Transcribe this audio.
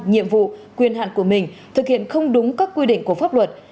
nhiệm vụ quyền hạn của mình thực hiện không đúng các quy định của pháp luật